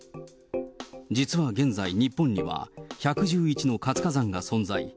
実は現在、日本には、１１１の活火山が存在。